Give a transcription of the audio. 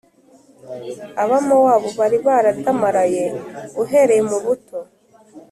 Abamowabu bari baradamaraye uhereye mu buto